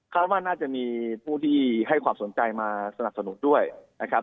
ว่าน่าจะมีผู้ที่ให้ความสนใจมาสนับสนุนด้วยนะครับ